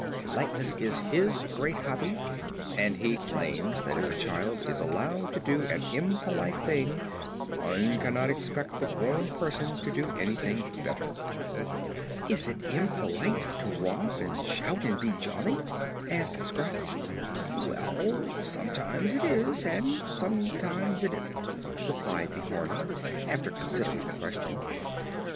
Politeness is his great hobby, and he claims that if a child is allowed to do an impolite thing one cannot expect the grown person to do anything better." "Is it impolite to romp and shout and be jolly?" asked Scraps. "Well, sometimes it is, and sometimes it isn't," replied the Horner, after considering the question.